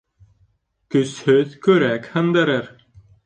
Көсһөҙ көрәк һындырыр.